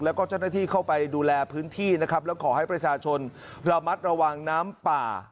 แล้วก็เจ้าหน้าที่เข้าไปดูแลพื้นที่นะครับแล้วขอให้ประชาชนระมัดระวังน้ำป่า